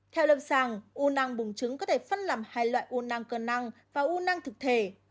theo lâm sàng u năng bùng trứng có thể phân làm hai loại u năng cơ năng và u năng thực thể